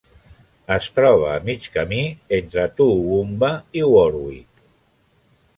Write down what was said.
Es troba a mig camí entre Toowoomba i Warwick.